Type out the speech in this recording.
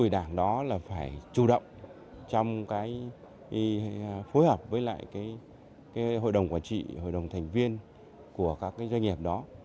đảng đó là phải chủ động trong cái phối hợp với lại cái hội đồng quản trị hội đồng thành viên của các doanh nghiệp đó